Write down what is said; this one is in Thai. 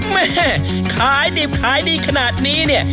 แม่ขายดิบขายดีขนาดนี้เนี่ย